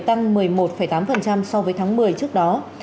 tăng một mươi một tám so với tháng một mươi trước đó